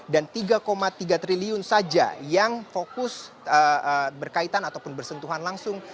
dan rp tiga tiga triliun saja yang fokus berkaitan ataupun bersentuhan langsung